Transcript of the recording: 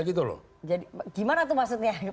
gimana tuh maksudnya